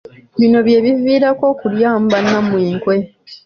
Bino bye biviirako okulyamu bannammwe enkwe .